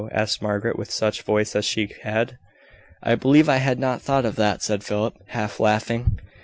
asked Margaret, with such voice as she had. "I believe I had not thought of that," said Philip, half laughing.